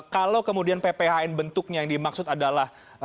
kalau kemudian pphn bentuknya yang dimaksud adalah